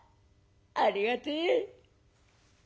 ありがてえ。